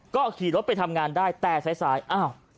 ก็ขี่รถไปทำงานได้แต่สายอ้าว